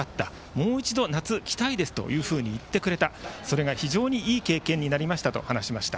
もう一度、夏に期待ですと言ってくれた、それが非常にいい経験になりましたと話しました。